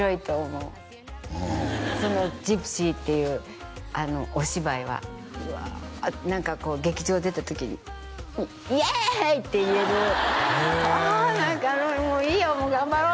うんその「ＧＹＰＳＹ」っていうお芝居はうわ何かこう劇場出た時に「イエーイ！」って言えるへえ「ああ何かもういいよもう頑張ろう」